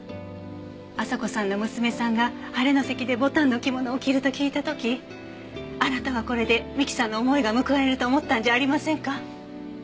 朝子さんの娘さんが晴れの席で牡丹の着物を着ると聞いた時あなたはこれで美樹さんの思いが報われると思ったんじゃありませんか？